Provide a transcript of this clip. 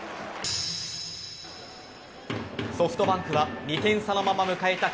ソフトバンクは２点差のまま迎えた